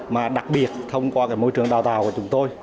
mà đặc biệt thông qua cái môi trường đào tạo của chúng tôi